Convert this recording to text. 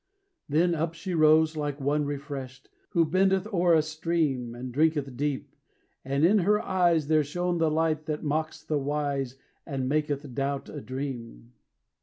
Then up she rose like one refreshed, Who bendeth o'er a stream And drinketh deep, and in her eyes There shone the light that mocks the wise And maketh doubt a dream.